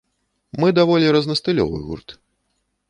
Мы даволі рознастылёвы гурт.